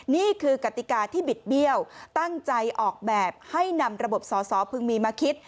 นี่คือกติกาที่บิดเบี้ยวตั้งใจออกแบบให้นำระบบสอสอพึงมีมาคิด